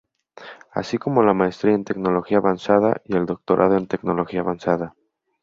Así como la Maestría en Tecnología Avanzada y el Doctorado en Tecnología Avanzada.